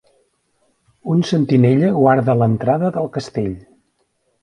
Un sentinella guarda l'entrada del castell.